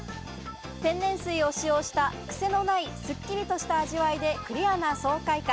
天然水を使用した、くせのないすっきりとした味わいでクリアな爽快感。